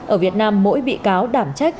ở việt nam mỗi bị cáo đảm trách